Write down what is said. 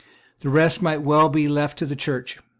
The rest might well be left to the Church.